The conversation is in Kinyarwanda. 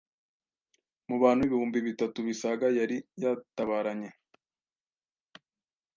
mu bantu ibihumbi bitatu bisaga yari yatabaranye